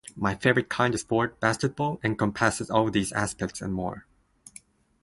My favorite kind of sport, basketball, encompasses all these aspects and more.